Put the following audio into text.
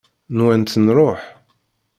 Nwant nruḥ.